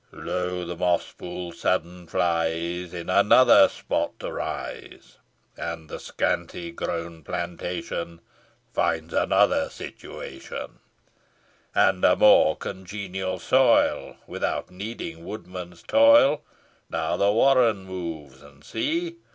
Lo! the moss pool sudden flies, In another spot to rise; And the scanty grown plantation, Finds another situation, And a more congenial soil, Without needing woodman's toil. Now the warren moves and see!